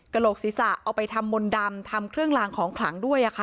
โหลกศีรษะเอาไปทำมนต์ดำทำเครื่องลางของขลังด้วยค่ะ